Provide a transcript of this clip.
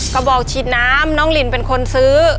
กระบอกฉีดน้ำน้องลินเป็นคนซื้อ